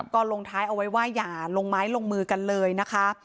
ก็ลงท้ายเอาไว้ว่าอย่าลงไม้ลงมือกันเลยนะคะ